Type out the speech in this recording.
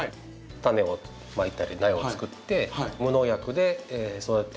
種をまいたり苗を作って無農薬で育てればですね